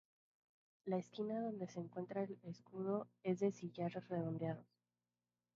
La esquina donde se encuentre el escudo es de sillares redondeados.